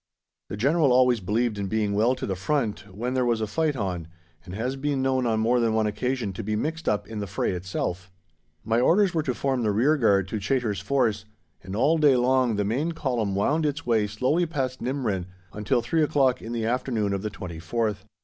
The General always believed in being well to the front when there was a fight on, and has been known on more than one occasion to be mixed up in the fray itself. My orders were to form the rearguard to Chaytor's Force, and all day long the main Column wound its way slowly past Nimrin until 3 o'clock in the afternoon of the 24th.